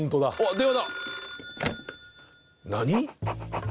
電話だ。